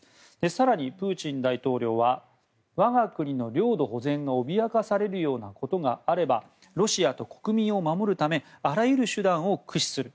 更にプーチン大統領は我が国の領土保全が脅かされるようなことがあればロシアと国民を守るためあらゆる手段を駆使する。